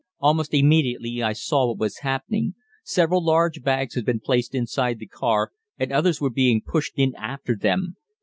Almost immediately I saw what was happening. Several large bags had been placed inside the car, and others were being pushed in after them.